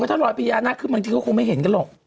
ว่าถ้ารอยพญานาคนะขึ้นบางทีเขาคงไม่เห็นกันหรอก